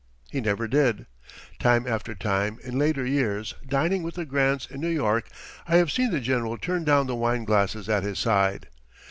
He never did. Time after time in later years, dining with the Grants in New York, I have seen the General turn down the wine glasses at his side.